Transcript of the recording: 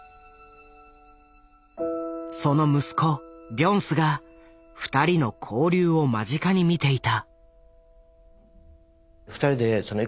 その息子ビョンスが２人の交流を間近に見ていた。